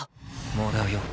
もらうよ